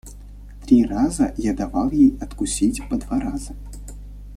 – Три раза я давал ей откусить по два раза.